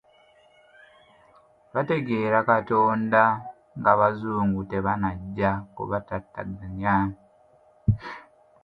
Baategeera Katonda ng'abazungu tebannajja kubatataaganya.